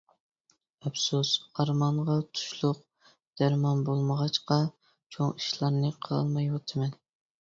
ئەپسۇس، ئارمانغا تۇشلۇق دەرمان بولمىغاچقا چوڭ ئىشلارنى قىلالمايۋاتىمەن.